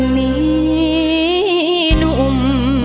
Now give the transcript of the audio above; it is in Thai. มีนอุ่ม